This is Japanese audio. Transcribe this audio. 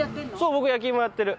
僕焼き芋やってる。